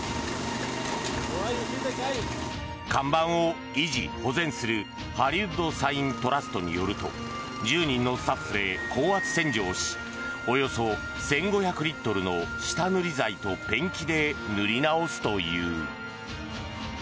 看板を維持・保全するハリウッド・サイン・トラストによると１０人のスタッフで高圧洗浄しおよそ１５００リットルの下塗り材とペンキで塗り直すという。